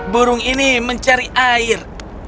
burung ini mencari air